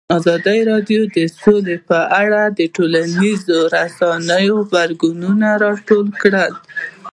ازادي راډیو د سوله په اړه د ټولنیزو رسنیو غبرګونونه راټول کړي.